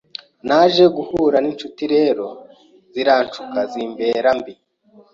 naje guhura n’inshuti rero ziranshuka zimbera mbi